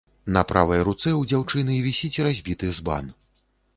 На правай руцэ ў дзяўчыны вісіць разбіты збан.